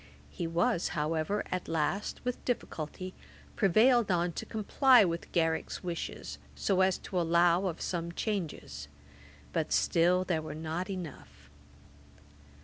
He was, however, at last, with difficulty, prevailed on to comply with Garrick's wishes, so as to allow of some changes; but still there were not enough.